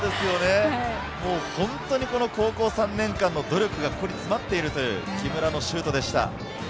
本当に高校３年間の努力がここに詰まっているという木村のシュートでした。